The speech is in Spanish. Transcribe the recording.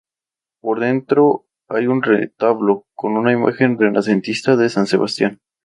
Por dentro hay un retablo, con una imagen renacentista de San Sebastián.